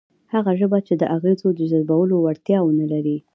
هغه ژبه چې د اغېزو د جذبولو وړتیا ونه لري،